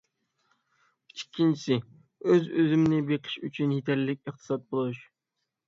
ئىككىنچىسى، ئۆز-ئۆزۈمنى بېقىش ئۈچۈن يېتەرلىك ئىقتىساد بولۇش.